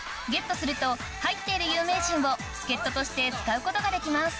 ＧＥＴすると入っている有名人を助っ人として使うことができます